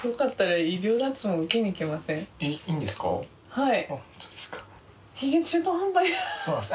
はい。